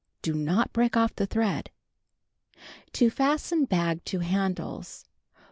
Do not break off the thread. To Fasten Bag to Handles: 1.